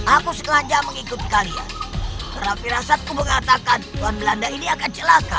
aku sekalian mengikut kalian terapi rasaku mengatakan tuhan belanda ini akan celaka